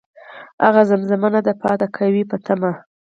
هغه زمزمه نه ده پاتې، ،دی که وي په تمه